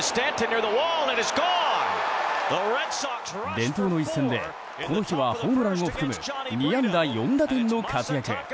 伝統の一戦でこの日はホームランを含む２安打４打点の活躍。